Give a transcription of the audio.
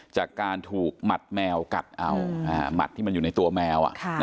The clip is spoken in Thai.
จากการถูกหมัดแมวกัดเอาหมัดที่มันอยู่ในตัวแมว